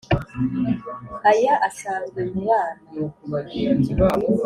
Aya asanzwe mu bana.